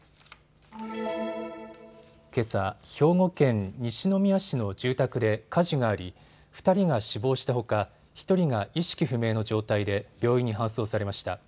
けさ、兵庫県西宮市の住宅で火事があり２人が死亡したほか１人が意識不明の状態で病院に搬送されました。